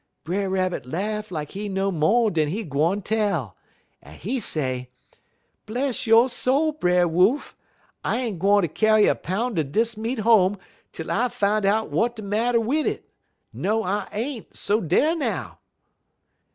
"Brer Rabbit laugh like he know mo' dan he gwine tell, un he say: "'Bless yo' soul, Brer Wolf! I ain't gwine ter kyar er poun' er dis meat home tel I fin' out w'at de matter wid it. No I ain't so dar now!'